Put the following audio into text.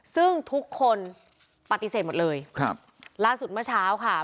ซึ่งทุกคนปฏิเสธหมดเลยครับล่าสุดเมื่อเช้าค่ะ